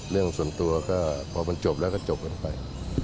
เรื่องส่วนตัวก็พอมันจบแล้วก็จบกันไป